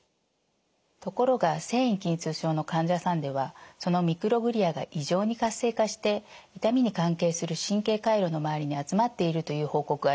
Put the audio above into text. ところが線維筋痛症の患者さんではそのミクログリアが異常に活性化して痛みに関係する神経回路の周りに集まっているという報告があります。